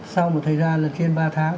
sau một thời gian lần trên ba tháng